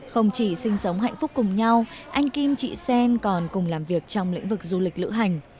không chỉ sinh sống hạnh phúc cùng nhau anh kim chị sen còn cùng làm việc trong lĩnh vực du lịch lữ hành